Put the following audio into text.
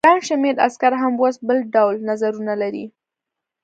ګڼ شمېر عسکر هم اوس بل ډول نظرونه لري.